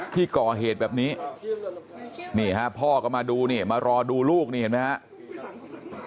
ที่ก่อเหตุแบบนี้นี่ฮะพ่อก็มาดูนี่มารอดูลูกนี่เห็นไหมครับ